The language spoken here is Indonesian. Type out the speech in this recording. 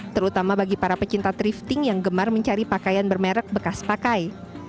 terutama bagi para pecinta drifting yang gemar mencari pakaian bermerek bekas pakai